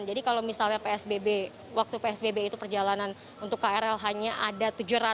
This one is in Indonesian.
jadi kalau misalnya psbb waktu psbb itu perjalanan untuk krl hanya ada tujuh ratus tujuh puluh enam